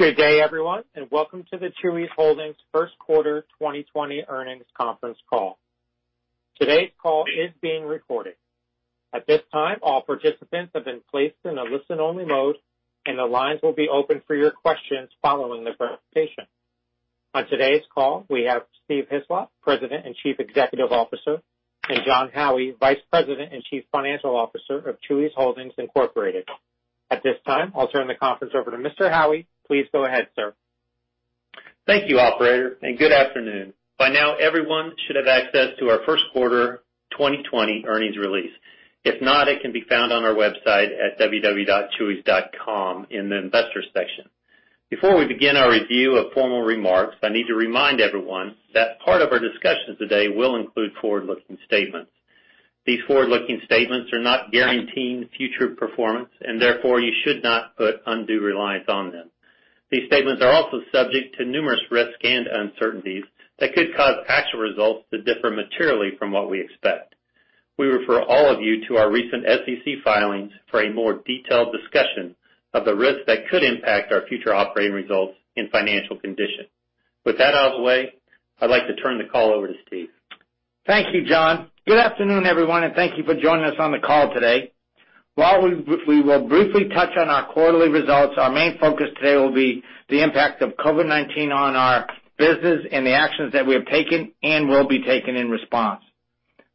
Good day, everyone, and welcome to the Chuy's Holdings first quarter 2020 earnings conference call. Today's call is being recorded. At this time, all participants have been placed in a listen-only mode, and the lines will be open for your questions following the presentation. On today's call, we have Steve Hislop, President and Chief Executive Officer, and Jon Howie, Vice President and Chief Financial Officer of Chuy's Holdings, Inc. At this time, I'll turn the conference over to Mr. Howie. Please go ahead, sir. Thank you, operator. Good afternoon. By now, everyone should have access to our first quarter 2020 earnings release. If not, it can be found on our website at www.chuys.com in the Investors section. Before we begin our review of formal remarks, I need to remind everyone that part of our discussion today will include forward-looking statements. These forward-looking statements are not guaranteeing future performance, and therefore, you should not put undue reliance on them. These statements are also subject to numerous risks and uncertainties that could cause actual results to differ materially from what we expect. We refer all of you to our recent SEC filings for a more detailed discussion of the risks that could impact our future operating results and financial condition. With that out of the way, I'd like to turn the call over to Steve. Thank you, Jon. Good afternoon, everyone, and thank you for joining us on the call today. While we will briefly touch on our quarterly results, our main focus today will be the impact of COVID-19 on our business and the actions that we have taken and will be taking in response.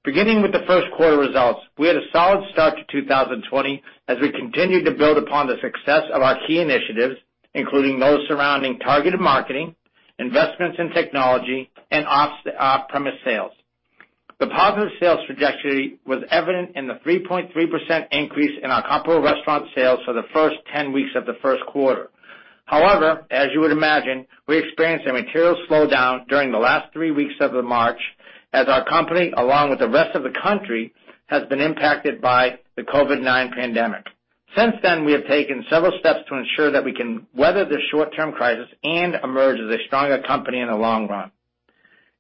Beginning with the first quarter results, we had a solid start to 2020 as we continued to build upon the success of our key initiatives, including those surrounding targeted marketing, investments in technology, and off-premise sales. The positive sales trajectory was evident in the 3.3% increase in our comparable restaurant sales for the first 10 weeks of the first quarter. However, as you would imagine, we experienced a material slowdown during the last three weeks of March as our company, along with the rest of the country, has been impacted by the COVID-19 pandemic. Since then, we have taken several steps to ensure that we can weather this short-term crisis and emerge as a stronger company in the long run.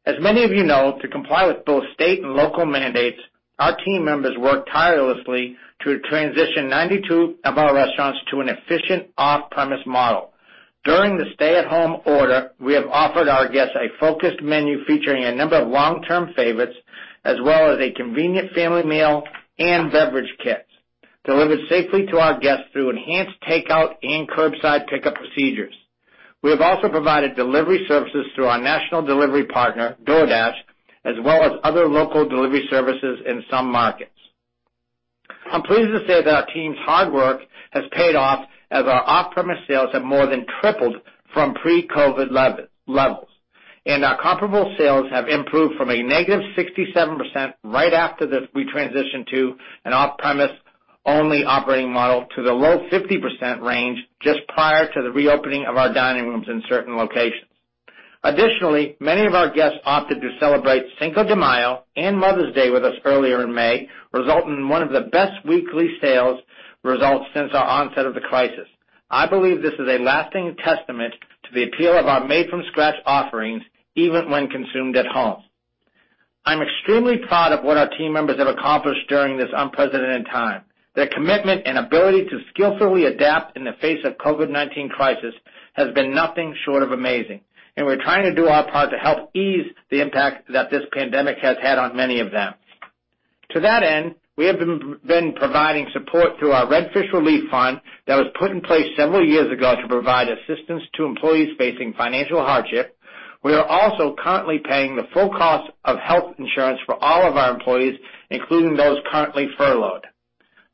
As many of you know, to comply with both state and local mandates, our team members worked tirelessly to transition 92 of our restaurants to an efficient off-premise model. During the stay-at-home order, we have offered our guests a focused menu featuring a number of long-term favorites, as well as a convenient family meal and beverage kits delivered safely to our guests through enhanced takeout and curbside pickup procedures. We have also provided delivery services through our national delivery partner, DoorDash, as well as other local delivery services in some markets. I'm pleased to say that our team's hard work has paid off as our off-premise sales have more than tripled from pre-COVID levels, and our comparable sales have improved from a -67% right after we transitioned to an off-premise only operating model to the low 50% range just prior to the reopening of our dining rooms in certain locations. Additionally, many of our guests opted to celebrate Cinco de Mayo and Mother's Day with us earlier in May, resulting in one of the best weekly sales results since our onset of the crisis. I believe this is a lasting testament to the appeal of our made-from-scratch offerings, even when consumed at home. I'm extremely proud of what our team members have accomplished during this unprecedented time. Their commitment and ability to skillfully adapt in the face of COVID-19 crisis has been nothing short of amazing, and we're trying to do our part to help ease the impact that this pandemic has had on many of them. To that end, we have been providing support through our Redfish Relief Fund that was put in place several years ago to provide assistance to employees facing financial hardship. We are also currently paying the full cost of health insurance for all of our employees, including those currently furloughed.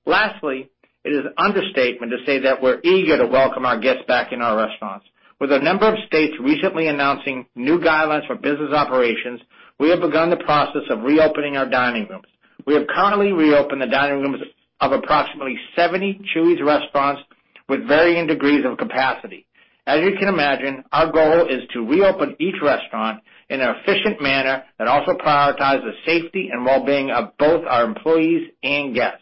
Lastly, it is an understatement to say that we're eager to welcome our guests back in our restaurants. With a number of states recently announcing new guidelines for business operations, we have begun the process of reopening our dining rooms. We have currently reopened the dining rooms of approximately 70 Chuy's restaurants with varying degrees of capacity. As you can imagine, our goal is to reopen each restaurant in an efficient manner that also prioritizes the safety and well-being of both our employees and guests.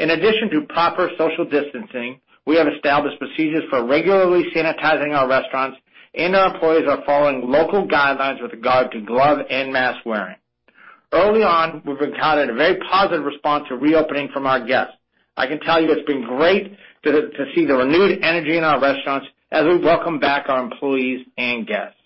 In addition to proper social distancing, we have established procedures for regularly sanitizing our restaurants, and our employees are following local guidelines with regard to glove and mask wearing. Early on, we've encountered a very positive response to reopening from our guests. I can tell you it's been great to see the renewed energy in our restaurants as we welcome back our employees and guests.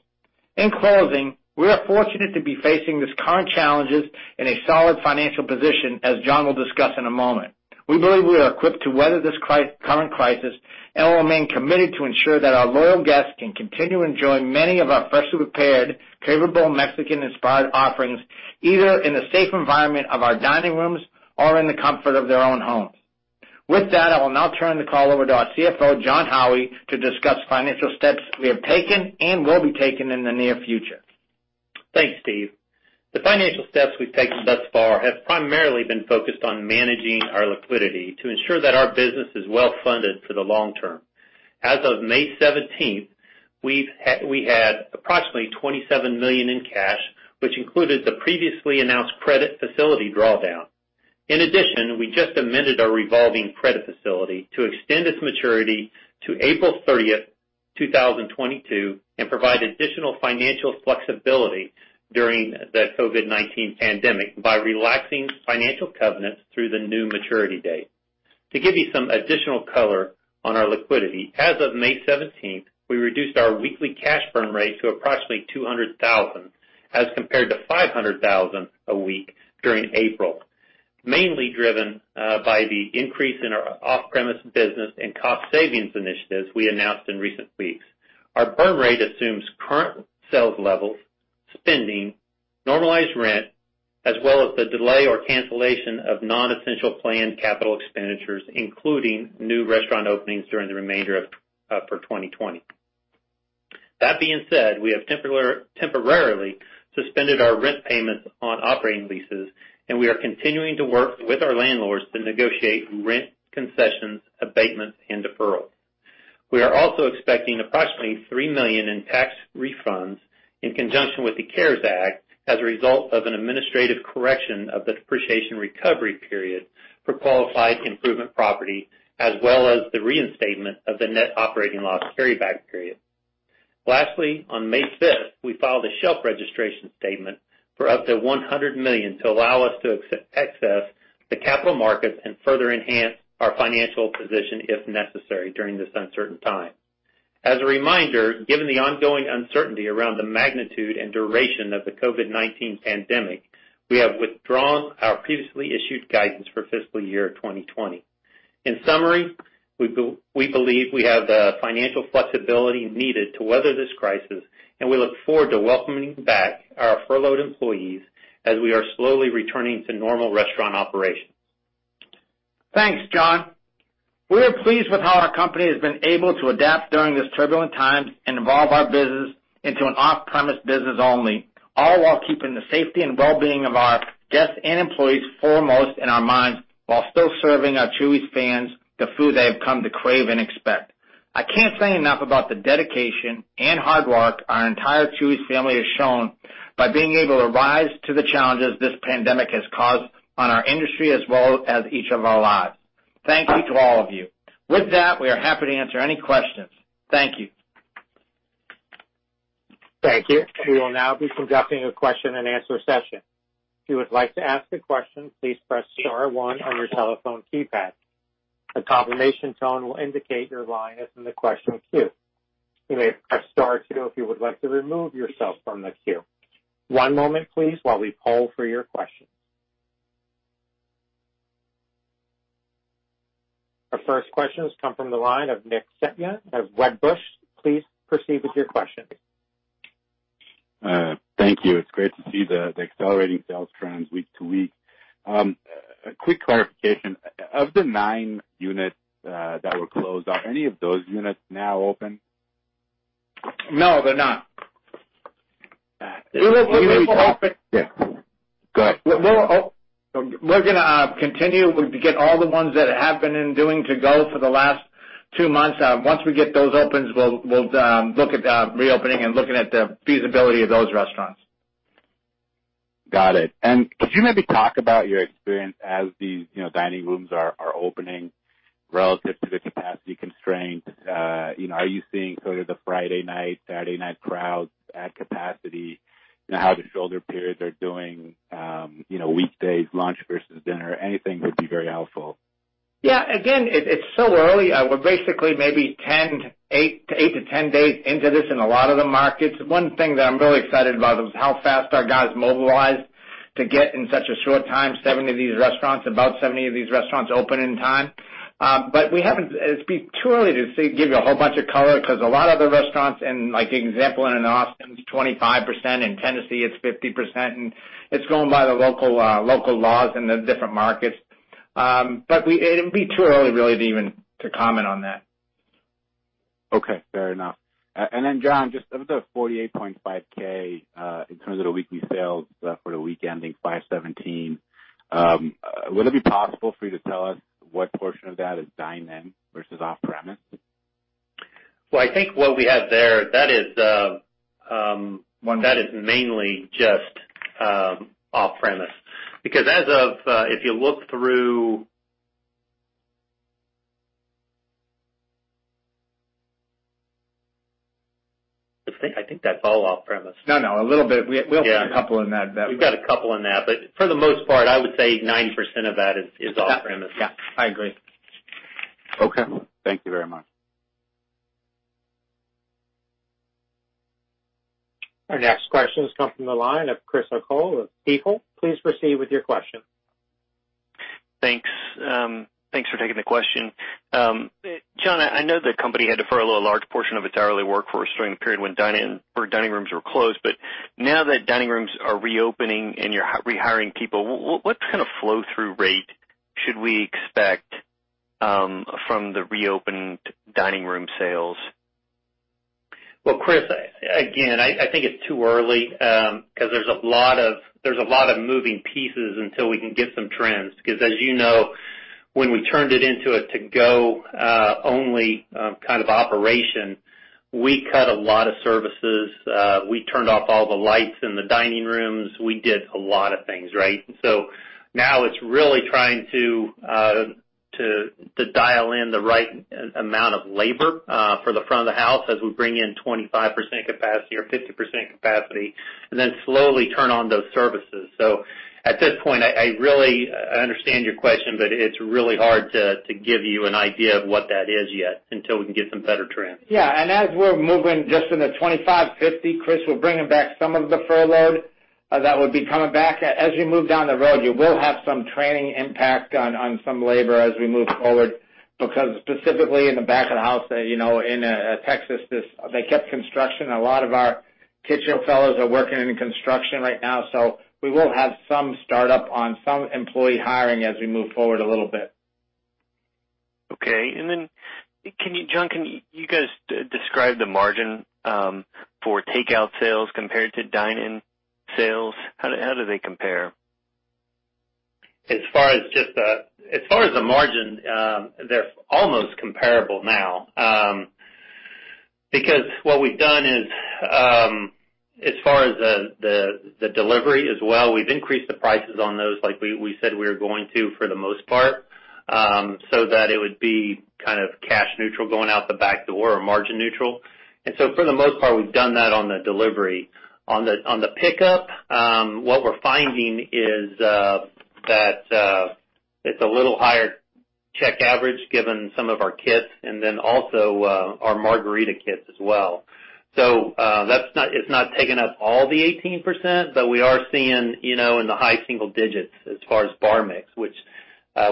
In closing, we are fortunate to be facing these current challenges in a solid financial position, as Jon will discuss in a moment. We believe we are equipped to weather this current crisis, and we'll remain committed to ensure that our loyal guests can continue enjoying many of our freshly prepared, flavorful Mexican-inspired offerings, either in the safe environment of our dining rooms or in the comfort of their own homes. With that, I will now turn the call over to our CFO, Jon Howie, to discuss financial steps we have taken and will be taking in the near future. Thanks, Steve. The financial steps we've taken thus far have primarily been focused on managing our liquidity to ensure that our business is well funded for the long term. As of May 17th, we had approximately $27 million in cash, which included the previously announced credit facility drawdown. In addition, we just amended our revolving credit facility to extend its maturity to April 30th, 2022, and provide additional financial flexibility during the COVID-19 pandemic by relaxing financial covenants through the new maturity date. To give you some additional color on our liquidity, as of May 17th, we reduced our weekly cash burn rate to approximately $200,000 as compared to $500,000 a week during April, mainly driven by the increase in our off-premise business and cost savings initiatives we announced in recent weeks. Our burn rate assumes current sales levels, spending, normalized rent, as well as the delay or cancellation of non-essential planned capital expenditures, including new restaurant openings during the remainder of 2020. We have temporarily suspended our rent payments on operating leases, and we are continuing to work with our landlords to negotiate rent concessions, abatements, and deferrals. We are also expecting approximately $3 million in tax refunds in conjunction with the CARES Act as a result of an administrative correction of the depreciation recovery period for qualified improvement property, as well as the reinstatement of the net operating loss carryback period. Lastly, on May 5th, we filed a shelf registration statement for up to $100 million to allow us to access the capital markets and further enhance our financial position if necessary during this uncertain time. As a reminder, given the ongoing uncertainty around the magnitude and duration of the COVID-19 pandemic, we have withdrawn our previously issued guidance for fiscal year 2020. In summary, we believe we have the financial flexibility needed to weather this crisis, and we look forward to welcoming back our furloughed employees as we are slowly returning to normal restaurant operations. Thanks, Jon. We are pleased with how our company has been able to adapt during this turbulent time and evolve our business into an off-premise business only, all while keeping the safety and well-being of our guests and employees foremost in our minds while still serving our Chuy's fans the food they have come to crave and expect. I can't say enough about the dedication and hard work our entire Chuy's family has shown by being able to rise to the challenges this pandemic has caused on our industry as well as each of our lives. Thank you to all of you. With that, we are happy to answer any questions. Thank you. Thank you. We will now be conducting a question and answer session. If you would like to ask a question, please press star one on your telephone keypad. A confirmation tone will indicate your line is in the question queue. You may press star two if you would like to remove yourself from the queue. One moment, please, while we poll for your questions. Our first questions come from the line of Nick Setyan of Wedbush. Please proceed with your questions. Thank you. It's great to see the accelerating sales trends week to week. A quick clarification. Of the nine units that were closed, are any of those units now open? No, they're not. We will open. Yeah. Go ahead. We're going to continue. We get all the ones that have been in doing to-go for the last two months. Once we get those open, we'll look at reopening and looking at the feasibility of those restaurants. Got it. Could you maybe talk about your experience as these dining rooms are opening relative to the capacity constraints? Are you seeing sort of the Friday night, Saturday night crowds at capacity? How the shoulder periods are doing, weekdays, lunch versus dinner? Anything would be very helpful. Yeah. Again, it's still early. We're basically maybe eight to 10 days into this in a lot of the markets. One thing that I'm really excited about is how fast our guys mobilized to get in such a short time, about 70 of these restaurants open in time. It'd be too early to give you a whole bunch of color because a lot of the restaurants and like the example in Austin, it's 25%, in Tennessee it's 50%, and it's going by the local laws in the different markets. It'd be too early really to even to comment on that. Okay. Fair enough. Jon, just of the $48,500 in terms of the weekly sales for the week ending 5/17, would it be possible for you to tell us what portion of that is dine-in versus off-premise? Well, I think what we have there. One. That is mainly just off-premise because as of, if you look through I think that's all off-premise. No, no, a little bit. We'll get a couple in that. We've got a couple in that, but for the most part, I would say 90% of that is off-premise. Yeah. I agree. Okay. Thank you very much. Our next questions come from the line of Chris O'Cull of Stifel. Please proceed with your question. Thanks. Thanks for taking the question. Jon, I know the company had to furlough a large portion of its hourly workforce during the period when dine-in or dining rooms were closed. Now that dining rooms are reopening and you're rehiring people, what kind of flow through rate should we expect from the reopened dining room sales? Well, Chris, again, I think it's too early because there's a lot of moving pieces until we can get some trends. As you know, when we turned it into a to-go only kind of operation, we cut a lot of services. We turned off all the lights in the dining rooms. We did a lot of things, right? Now it's really trying to dial in the right amount of labor for the front of the house as we bring in 25% capacity or 50% capacity, slowly turn on those services. At this point, I understand your question, but it's really hard to give you an idea of what that is yet until we can get some better trends. Yeah. As we're moving just into 25/50, Chris, we're bringing back some of the furloughed that would be coming back. As we move down the road, you will have some training impact on some labor as we move forward, because specifically in the back of the house, in Texas, they kept construction. A lot of our kitchen fellows are working in construction right now, we will have some startup on some employee hiring as we move forward a little bit. Okay. Jon, can you guys describe the margin for takeout sales compared to dine-in sales? How do they compare? As far as the margin, they're almost comparable now. What we've done is, as far as the delivery as well, we've increased the prices on those like we said we were going to, for the most part, so that it would be kind of cash neutral going out the back door or margin neutral. For the most part, we've done that on the delivery. On the pickup, what we're finding is that it's a little higher check average given some of our kits and then also our margarita kits as well. It's not taking up all the 18%, but we are seeing in the high single digits as far as bar mix, which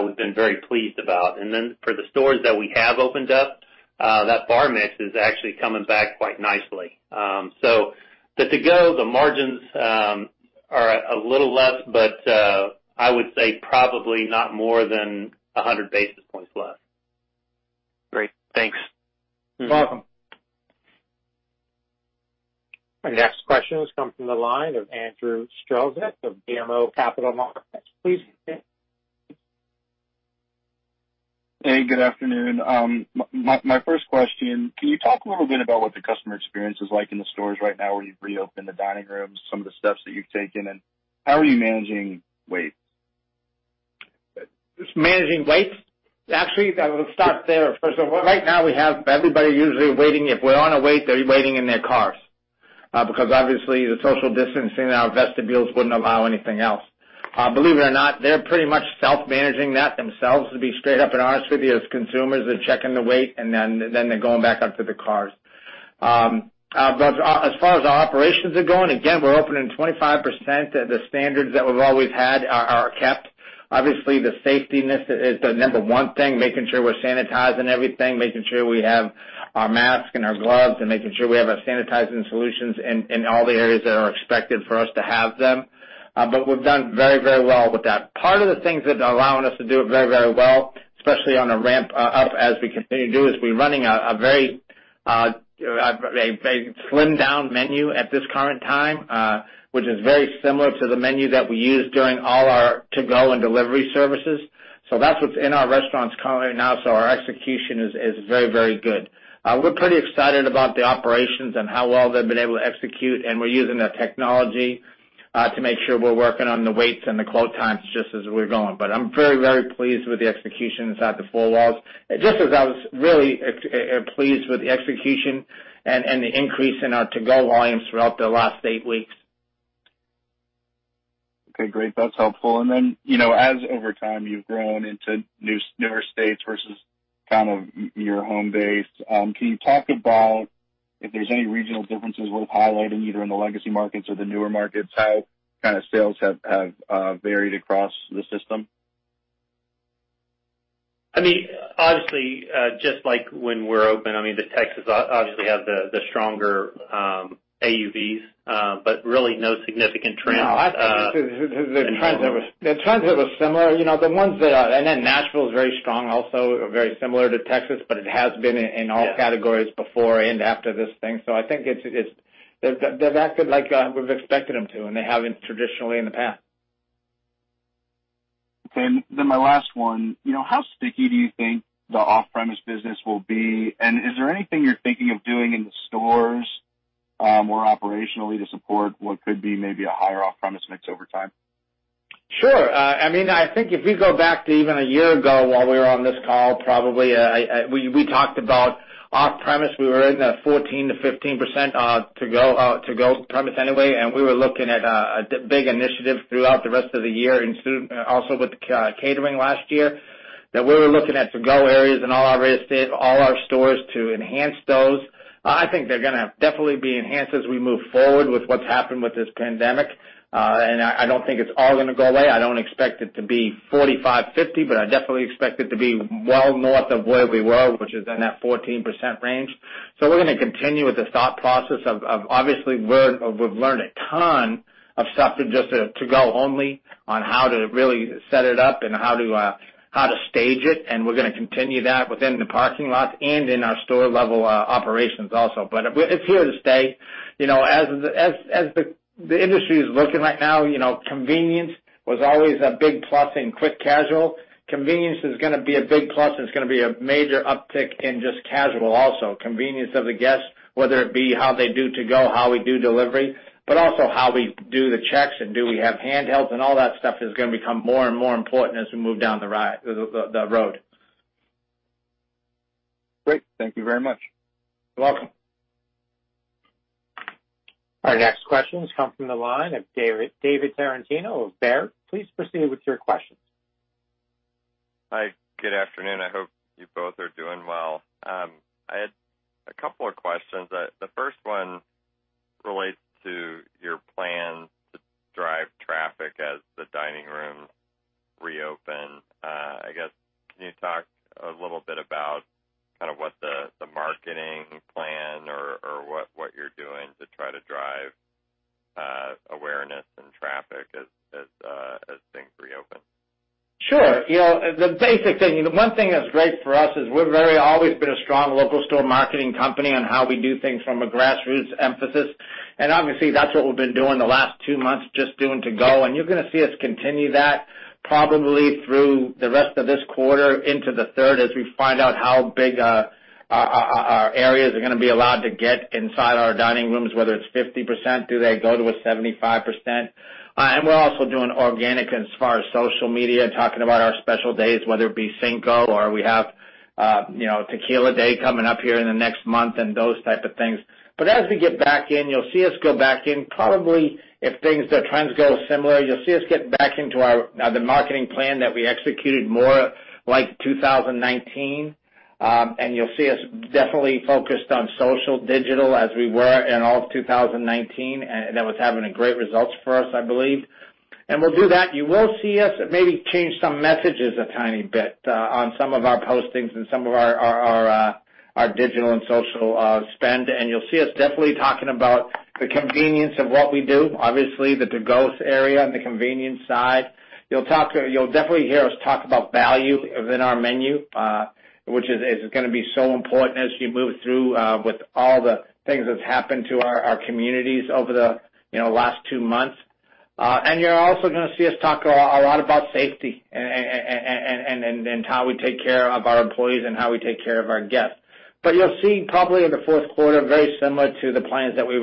we've been very pleased about. For the stores that we have opened up, that bar mix is actually coming back quite nicely. The to-go, the margins are a little less, but I would say probably not more than 100 basis points less. Great. Thanks. You're welcome. Our next question is coming from the line of Andrew Strelzik of BMO Capital Markets. Please go ahead. Hey, good afternoon. My first question, can you talk a little bit about what the customer experience is like in the stores right now where you've reopened the dining rooms, some of the steps that you've taken, and how are you managing waits? Just managing waits. Actually, let's start there first of all. Right now, we have everybody usually waiting. If we're on a wait, they're waiting in their cars. Obviously the social distancing in our vestibules wouldn't allow anything else. Believe it or not, they're pretty much self-managing that themselves, to be straight up and honest with you, as consumers. They're checking the wait and then they're going back out to their cars. As far as our operations are going, again, we're opening 25%. The standards that we've always had are kept. Obviously, the safety is the number one thing, making sure we're sanitizing everything, making sure we have our mask and our gloves, and making sure we have our sanitizing solutions in all the areas that are expected for us to have them. We've done very well with that. Part of the things that are allowing us to do it very well, especially on a ramp up as we continue to do, is we're running a very slimmed down menu at this current time, which is very similar to the menu that we used during all our to-go and delivery services. That's what's in our restaurants currently now. Our execution is very good. We're pretty excited about the operations and how well they've been able to execute, and we're using the technology to make sure we're working on the waits and the qoute times just as we're going. I'm very pleased with the execution inside the four walls, just as I was really pleased with the execution and the increase in our to-go volumes throughout the last eight weeks. Okay, great. That's helpful. As over time you've grown into newer states versus your home base, can you talk about if there's any regional differences worth highlighting, either in the legacy markets or the newer markets, how sales have varied across the system? Obviously, just like when we're open, the Texas obviously have the stronger AUVs, but really no significant trends in general. No, I think the trends are similar. Nashville is very strong also, very similar to Texas. It has been in all categories before and after this thing. I think they've acted like we've expected them to, and they have traditionally in the past. Okay. My last one. How sticky do you think the off-premise business will be? Is there anything you're thinking of doing in the stores more operationally to support what could be maybe a higher off-premise mix over time? Sure. I think if you go back to even a year ago while we were on this call, probably, we talked about off-premise. We were in the 14%-15% to-go premise anyway, and we were looking at a big initiative throughout the rest of the year, also with the catering last year, that we were looking at to-go areas in all our stores to enhance those. I think they're going to definitely be enhanced as we move forward with what's happened with this pandemic. I don't think it's all going to-go away. I don't expect it to be 45/50, but I definitely expect it to be well north of where we were, which is in that 14% range. We're going to continue with the thought process of, obviously, we've learned a ton of stuff with just the to-go only on how to really set it up and how to stage it, and we're going to continue that within the parking lot and in our store level operations also. It's here to stay. As the industry is looking right now, convenience was always a big plus in quick casual. Convenience is going to be a big plus, and it's going to be a major uptick in just casual also. Convenience of the guest, whether it be how they do to-go, how we do delivery, but also how we do the checks and do we have handhelds and all that stuff is going to become more and more important as we move down the road. Great. Thank you very much. You're welcome. Our next questions come from the line of David Tarantino of Baird. Please proceed with your questions. Hi, good afternoon. I hope you both are doing well. I had a couple of questions. The first one relates to your plan to drive traffic as the dining rooms reopen. I guess, can you talk a little bit about what the marketing plan or what you're doing to try to drive awareness and traffic as things reopen? Sure. The basic thing, one thing that's great for us is we've always been a strong local store marketing company on how we do things from a grassroots emphasis, and obviously, that's what we've been doing the last two months, just doing to-go. You're going to see us continue that probably through the rest of this quarter into the third as we find out how big our areas are going to be allowed to get inside our dining rooms, whether it's 50%, do they go to a 75%? We're also doing organic as far as social media, talking about our special days, whether it be Cinco or we have Tequila Day coming up here in the next month and those types of things. As we get back in, you'll see us go back in probably if the trends go similar, you'll see us get back into the marketing plan that we executed more like 2019. You'll see us definitely focused on social, digital as we were in all of 2019, and that was having great results for us, I believe. We'll do that. You will see us maybe change some messages a tiny bit on some of our postings and some of our digital and social spend. You'll see us definitely talking about the convenience of what we do, obviously the to-go area and the convenience side. You'll definitely hear us talk about value within our menu, which is going to be so important as you move through with all the things that's happened to our communities over the last two months. You're also going to see us talk a lot about safety and how we take care of our employees and how we take care of our guests. You'll see probably in the fourth quarter, very similar to the plans that we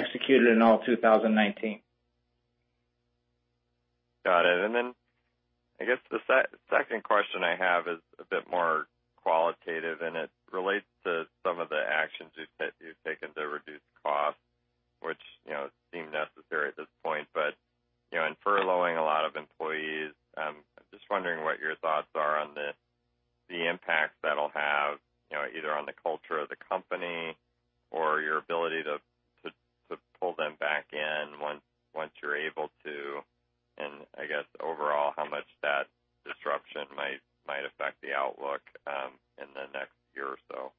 executed in all of 2019. Got it. I guess the second question I have is a bit more qualitative, and it relates to some of the actions you've taken to reduce costs, which seem necessary at this point. In furloughing a lot of employees, I'm just wondering what your thoughts are on the impact that'll have, either on the culture of the company or your ability to pull them back in once you're able to, and I guess overall, how much that disruption might affect the outlook in the next year or so.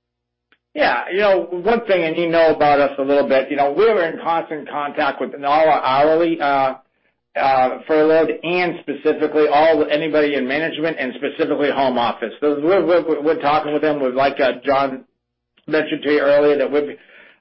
Yeah. One thing, and you know about us a little bit. We were in constant contact with all our hourly furloughed and specifically anybody in management and specifically home office. We're talking with them, like Jon mentioned to you earlier, that we've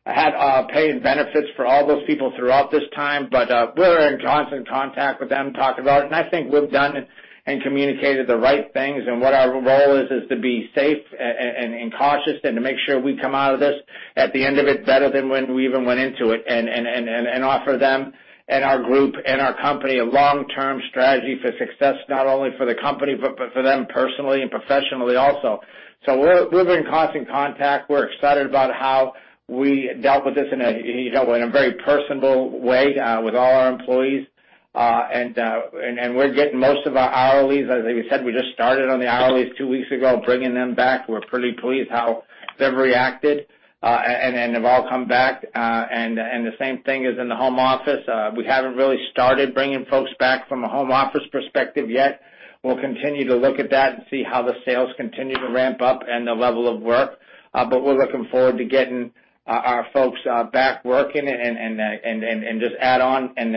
had pay and benefits for all those people throughout this time. We're in constant contact with them, talking about it, and I think we've done and communicated the right things and what our role is to be safe and cautious and to make sure we come out of this at the end of it better than when we even went into it and offer them and our group and our company a long-term strategy for success, not only for the company, but for them personally and professionally also. We're in constant contact. We're excited about how we dealt with this in a very personable way with all our employees. We're getting most of our hourlies. As I said, we just started on the hourlies two weeks ago, bringing them back. We're pretty pleased how they've reacted, and they've all come back. The same thing as in the home office. We haven't really started bringing folks back from a home office perspective yet. We'll continue to look at that and see how the sales continue to ramp up and the level of work. We're looking forward to getting our folks back working and just add on and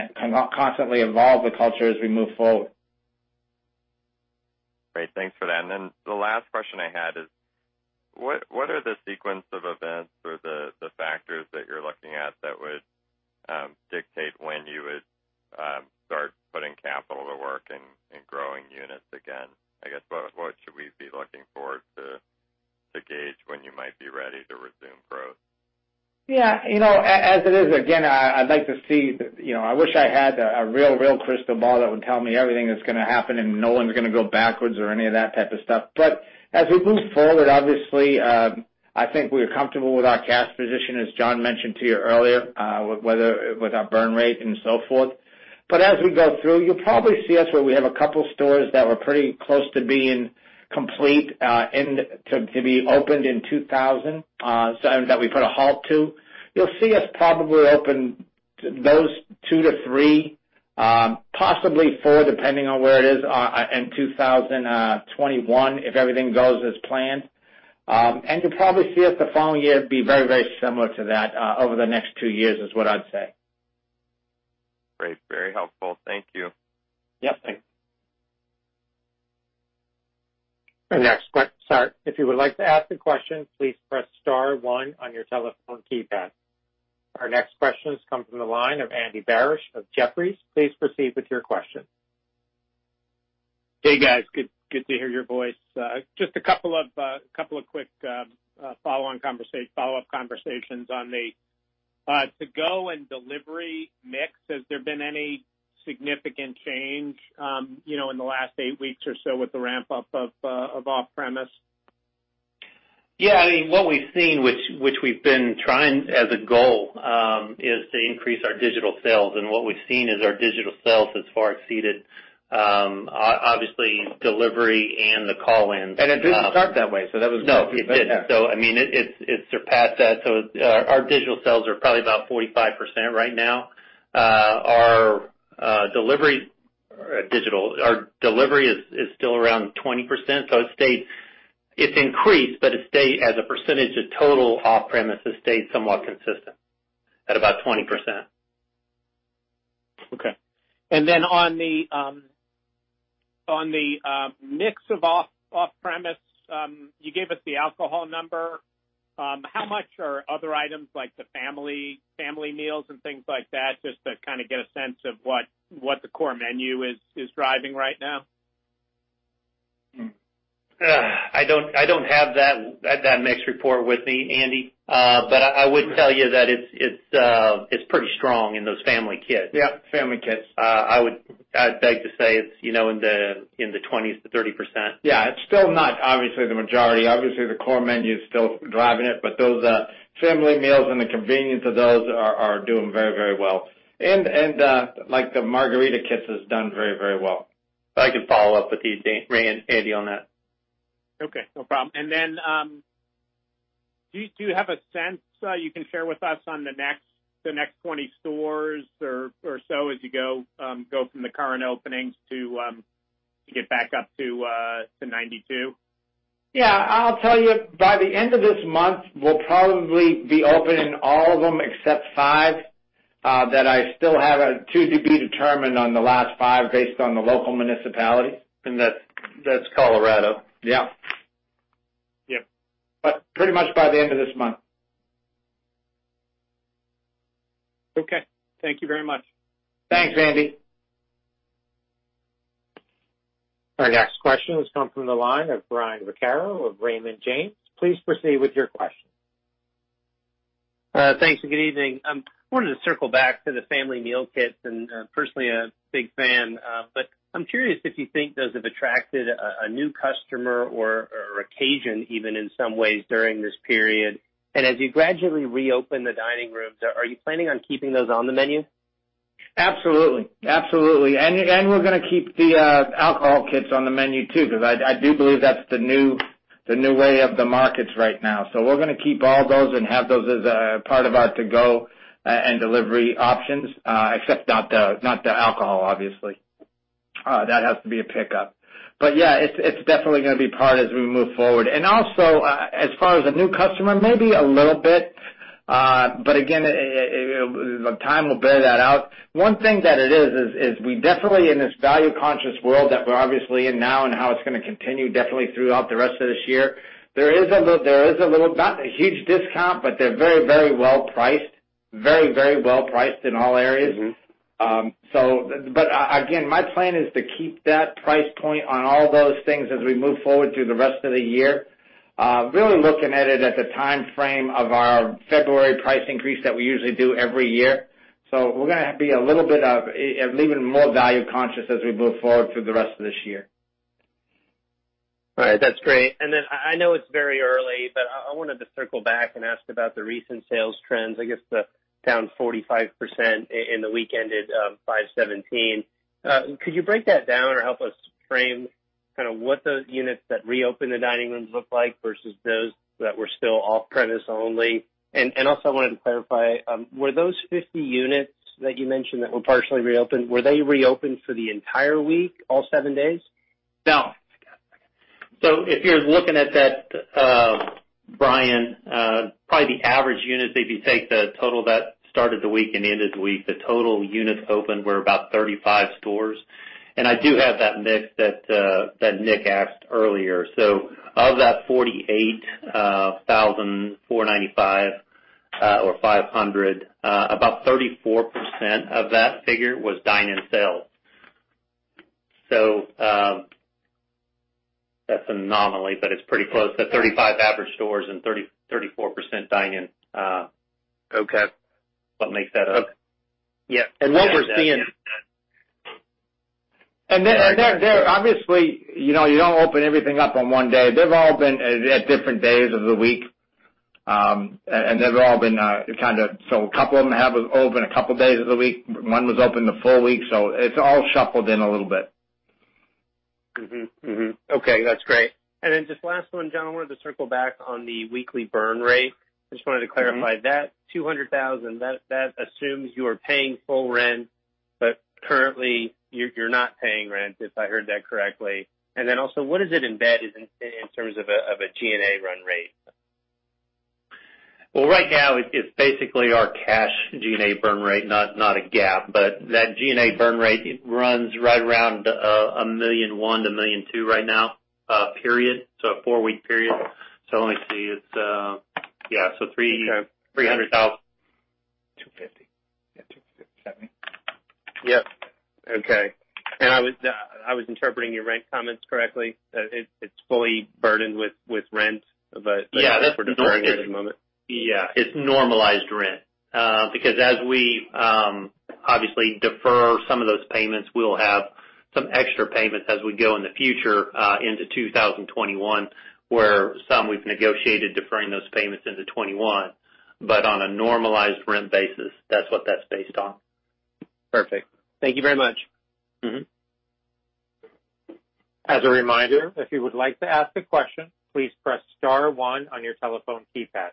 constantly evolve the culture as we move forward. Great. Thanks for that. The last question I had is what are the sequence of events or the factors that you're looking at that would dictate when you would start putting capital to work and growing units again? I guess, what should we be looking for to gauge when you might be ready to resume growth? As it is, again, I wish I had a real crystal ball that would tell me everything that's going to happen and no one's going to go backwards or any of that type of stuff. As we move forward, obviously, I think we are comfortable with our cash position, as Jon mentioned to you earlier, with our burn rate and so forth. As we go through, you'll probably see us where we have a couple stores that were pretty close to being complete to be opened in 2000 that we put a halt to. You'll see us probably open those two to three, possibly four, depending on where it is, in 2021, if everything goes as planned. You'll probably see us the following year be very similar to that over the next two years is what I'd say. Great. Very helpful. Thank you. Yep. If you would like to ask a question, please press star one on your telephone keypad. Our next question comes from the line of Andy Barish of Jefferies. Please proceed with your question. Hey, guys. Good to hear your voice. Just a couple of quick follow-up conversations on the to-go and delivery mix, has there been any significant change in the last eight weeks or so with the ramp-up of off-premise? Yeah. What we've seen, which we've been trying as a goal, is to increase our digital sales. What we've seen is our digital sales has far exceeded, obviously, delivery and the call-ins. It didn't start that way. No, it didn't. It surpassed that. Our digital sales are probably about 45% right now. Our delivery is still around 20%. It's increased, but as a percentage of total off-premise, it stayed somewhat consistent at about 20%. Okay. On the mix of off-premise, you gave us the alcohol number. How much are other items like the family meals and things like that, just to kind of get a sense of what the core menu is driving right now? I don't have that mixed report with me, Andy. I would tell you that it's pretty strong in those family kits. Yeah. Family kits. I would beg to say it's in the 20%-30%. Yeah. It's still not obviously the majority. Obviously, the core menu is still driving it, but those family meals and the convenience of those are doing very well. The margarita kits has done very well. I can follow up with you, Andy, on that. Okay. No problem. Do you have a sense that you can share with us on the next 20 stores or so as you go from the current openings to get back up to 92? Yeah. I'll tell you, by the end of this month, we'll probably be opening all of them except five, that I still have to be determined on the last five based on the local municipality. That's Colorado. Yeah. Yeah. Pretty much by the end of this month. Okay. Thank you very much. Thanks, Andy. Our next question has come from the line of Brian Vaccaro of Raymond James. Please proceed with your question. Thanks, and good evening. I wanted to circle back to the family meal kits, and personally a big fan. I'm curious if you think those have attracted a new customer or occasion, even in some ways during this period. As you gradually reopen the dining rooms, are you planning on keeping those on the menu? Absolutely. We're going to keep the alcohol kits on the menu too, because I do believe that's the new way of the markets right now. We're going to keep all those and have those as a part of our to-go and delivery options. Except not the alcohol, obviously. That has to be a pickup. Yeah, it's definitely going to be part as we move forward. Also, as far as a new customer, maybe a little bit. Again, time will bear that out. One thing that it is, we definitely in this value conscious world that we're obviously in now and how it's going to continue definitely throughout the rest of this year. There is a little, not a huge discount, but they're very well priced in all areas. Again, my plan is to keep that price point on all those things as we move forward through the rest of the year. Really looking at it at the timeframe of our February price increase that we usually do every year. We're going to be a little bit of even more value conscious as we move forward through the rest of this year. All right. That's great. I know it's very early, but I wanted to circle back and ask about the recent sales trends, I guess, the down 45% in the week ended 5/17. Could you break that down or help us frame what the units that reopened the dining rooms look like versus those that were still off-premise only? Also I wanted to clarify, were those 50 units that you mentioned that were partially reopened, were they reopened for the entire week, all seven days? No. If you're looking at that, Brian, probably the average units, if you take the total that started the week and ended the week, the total units open were about 35 stores. I do have that mix that Nick asked earlier. Of that $48,495, or $500, about 34% of that figure was dine-in sales. That's an anomaly, but it's pretty close to 35 average stores and 34% dine-in. Okay. What makes that up? Okay. Yeah. They're obviously, you don't open everything up on one day. They've all been at different days of the week. They've all been kind of, so a couple of them have opened a couple days of the week. One was open the full week, so it's all shuffled in a little bit. Okay. That's great. Just last one, Jon. I wanted to circle back on the weekly burn rate. Just wanted to clarify that $200,000, that assumes you are paying full rent, but currently you're not paying rent, if I heard that correctly. Also, what is it embedded in terms of a G&A run rate? Right now it's basically our cash G&A burn rate, not a GAAP. That G&A burn rate runs right around $1 million-$ 2 million right now period. A four-week period. Let me see, it's, yeah, $300,000. Yep. Okay. I was interpreting your rent comments correctly? It's fully burdened with rent. Yeah. Deferred rent at the moment. Yeah. It's normalized rent. As we obviously defer some of those payments, we'll have some extra payments as we go in the future, into 2021, where some we've negotiated deferring those payments into 2021. On a normalized rent basis, that's what that's based on. Perfect. Thank you very much. As a reminder, if you would like to ask a question, please press star one on your telephone keypad.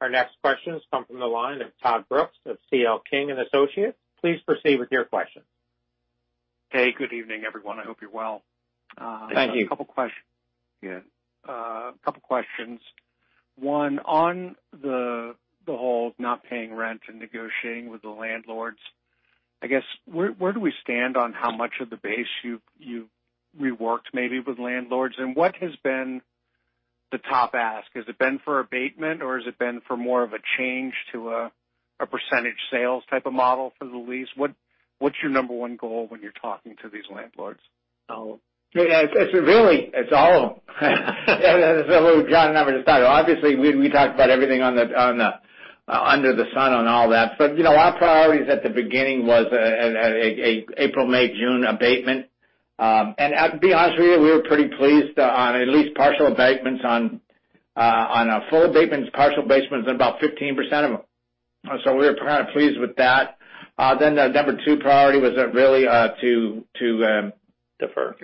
Our next question has come from the line of Todd Brooks of C.L. King & Associates. Please proceed with your question. Hey, good evening, everyone. I hope you're well. Thank you. A couple questions. One, on the whole not paying rent and negotiating with the landlords, I guess, where do we stand on how much of the base you've reworked maybe with landlords, and what has been the top ask? Has it been for abatement, or has it been for more of a change to a percentage sales type of model for the lease? What's your number one goal when you're talking to these landlords? It's really, it's all of them. That's what Jon and I were just talking about. We talked about everything under the sun on all that. Our priorities at the beginning was an April, May, June abatement. To be honest with you, we were pretty pleased on at least partial abatements on a full abatements, partial abatements on about 15% of them. We were kind of pleased with that. The number two priority was really to. Defer. Defer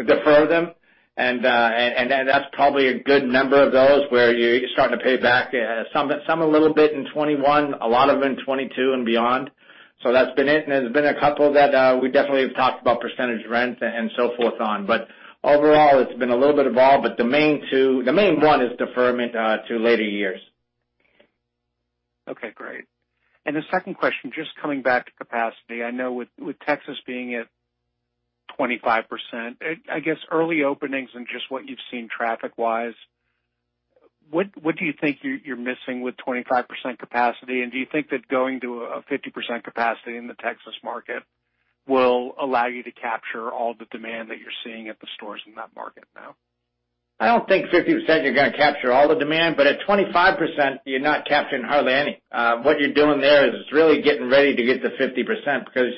them. That's probably a good number of those, where you're starting to pay back some a little bit in 2021, a lot of them in 2022 and beyond. That's been it, and there's been a couple that we definitely have talked about percentage rent and so forth on. Overall, it's been a little bit of all, but the main one is deferment to later years. Okay, great. The second question, just coming back to capacity. I know with Texas being at 25%, I guess early openings and just what you've seen traffic wise, what do you think you're missing with 25% capacity, and do you think that going to a 50% capacity in the Texas market will allow you to capture all the demand that you're seeing at the stores in that market now? I don't think 50% you're going to capture all the demand, but at 25%, you're not capturing hardly any. What you're doing there is really getting ready to get to 50%, because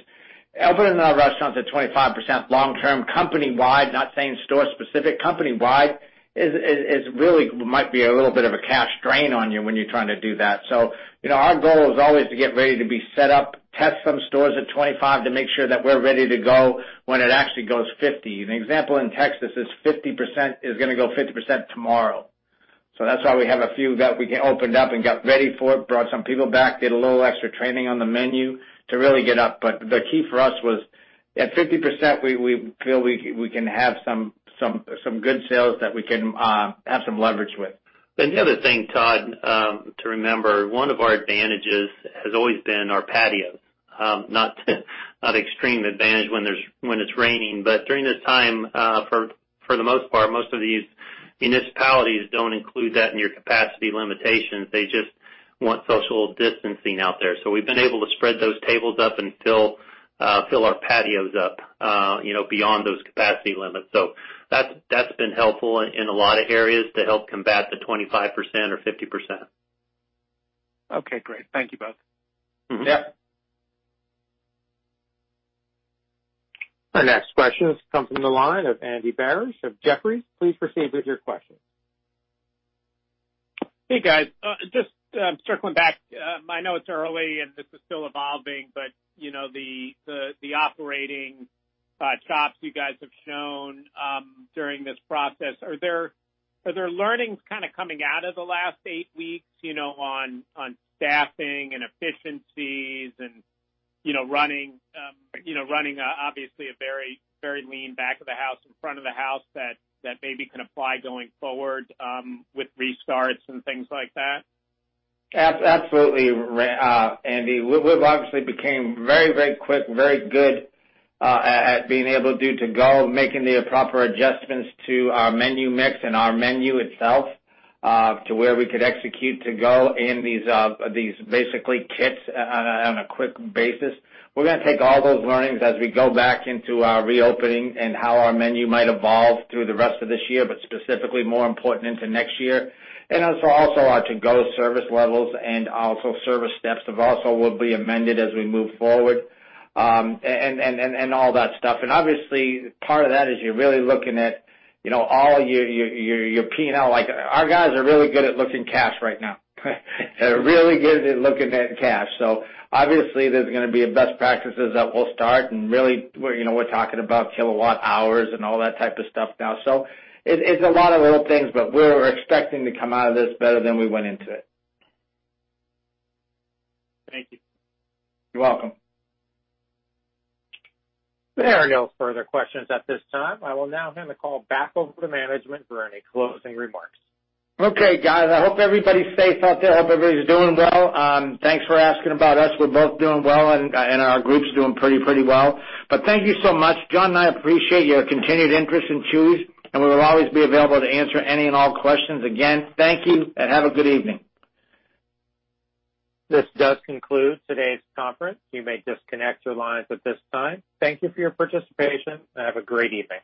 opening our restaurants at 25% long term, company wide, not saying store specific, company wide, really might be a little bit of a cash strain on you when you're trying to do that. Our goal is always to get ready to be set up, test some stores at 25% to make sure that we're ready to-go when it actually goes 50%. An example in Texas is 50% is going to-go 50% tomorrow. That's why we have a few that we opened up and got ready for it, brought some people back, did a little extra training on the menu to really get up. The key for us was at 50%, we feel we can have some good sales that we can have some leverage with. The other thing, Todd, to remember, one of our advantages has always been our patio. Not extreme advantage when it's raining, but during this time, for the most part, most of these municipalities don't include that in your capacity limitations. They just want social distancing out there. We've been able to spread those tables up and fill our patios up beyond those capacity limits. That's been helpful in a lot of areas to help combat the 25% or 50%. Okay, great. Thank you both. Yep. Our next question has come from the line of Andy Barish of Jefferies. Please proceed with your question. Hey, guys. Just circling back. I know it's early and this is still evolving, but the operating chops you guys have shown during this process, are there learnings kind of coming out of the last eight weeks on staffing and efficiencies and running obviously a very lean back of the house in front of the house that maybe can apply going forward with restarts and things like that? Absolutely, Andy. We've obviously became very quick, very good at being able to do to-go, making the proper adjustments to our menu mix and our menu itself, to where we could execute to-go in these basically kits on a quick basis. We're going to take all those learnings as we go back into our reopening and how our menu might evolve through the rest of this year, but specifically more important into next year. Also our to-go service levels and also service steps also will be amended as we move forward, and all that stuff. Obviously, part of that is you're really looking at all your P&L. Our guys are really good at looking cash right now. Really good at looking at cash. Obviously there's going to be best practices that will start, and really, we're talking about kilowatt hours and all that type of stuff now. It's a lot of little things, but we're expecting to come out of this better than we went into it. Thank you. You're welcome. There are no further questions at this time. I will now hand the call back over to management for any closing remarks. Okay, guys. I hope everybody's safe out there. Hope everybody's doing well. Thanks for asking about us. We're both doing well, and our group's doing pretty well. Thank you so much, Jon and I appreciate your continued interest in Chuy's, and we will always be available to answer any and all questions. Again, thank you and have a good evening. This does conclude today's conference. You may disconnect your lines at this time. Thank you for your participation, and have a great evening.